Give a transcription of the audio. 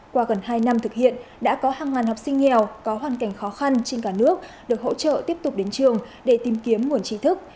qua gần hai năm thực hiện đã có hàng ngàn học sinh nghèo có hoàn cảnh khó khăn trên cả nước được hỗ trợ tiếp tục đến trường để tìm kiếm nguồn trí thức